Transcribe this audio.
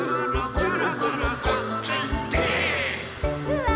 うわ！